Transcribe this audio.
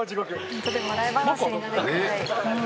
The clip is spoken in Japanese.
「ホントでも笑い話になるぐらい」